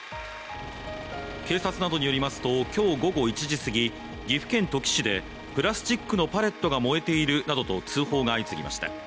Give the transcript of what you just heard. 警察などによりますと、今日午後１時すぎ岐阜県土岐市でプラスチックのパレットが燃えているなどと通報が相次ぎました。